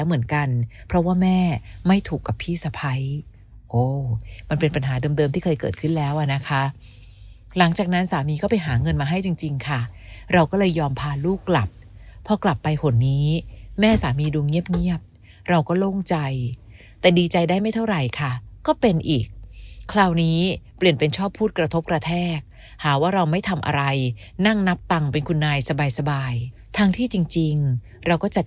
เหมือนกันเพราะว่าแม่ไม่ถูกกับพี่สะพ้ายโอ้มันเป็นปัญหาเดิมที่เคยเกิดขึ้นแล้วอ่ะนะคะหลังจากนั้นสามีก็ไปหาเงินมาให้จริงค่ะเราก็เลยยอมพาลูกกลับพอกลับไปหนนี้แม่สามีดูเงียบเราก็โล่งใจแต่ดีใจได้ไม่เท่าไหร่ค่ะก็เป็นอีกคราวนี้เปลี่ยนเป็นชอบพูดกระทบกระแทกหาว่าเราไม่ทำอะไรนั่งนับตังค์เป็นคุณนายสบายทั้งที่จริงเราก็จัด